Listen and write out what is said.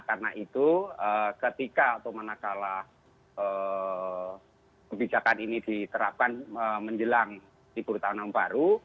nah karena itu ketika atau manakala kebijakan ini diterapkan menjelang hibur tahun enam baru